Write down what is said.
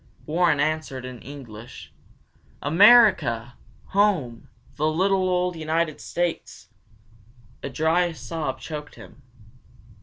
Warren answered in English. "America. Home, the little old United States!" A dry sob choked him.